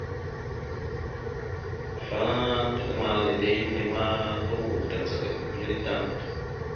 Afalaŋa taɗəmak eɗe henne ma, toŋgov tadzagaba kʉle tan.